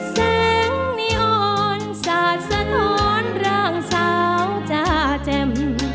แสงมีอ่อนสักสะนอนร่างสาวจาเจ็ม